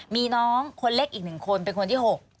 มีน้องคนเล็กอีก๑คนเป็นคนที่๖